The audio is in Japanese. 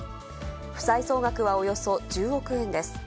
負債総額はおよそ１０億円です。